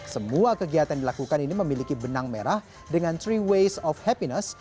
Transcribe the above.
semua kegiatan dilakukan ini memiliki benang merah dengan tiga waste of happiness